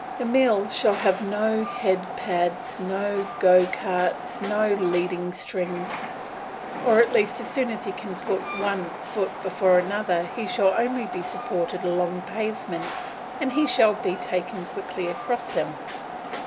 Emile shall have no head pads, no go carts, no leading strings; or at least as soon as he can put one foot before another he shall only be supported along pavements, and he shall be taken quickly across them.